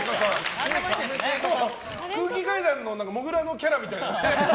空気階段のもぐらのキャラみたいな。